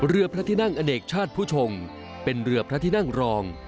เรือพระที่นั่งอเนกชาติผู้ชงเป็นเรือพระที่นั่งรอง